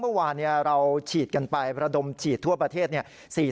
เมื่อวานเนี่ยเราฉีดกันไปพระดมฉีดทั่วประเทศเนี่ย